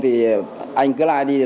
thì anh cứ lại đi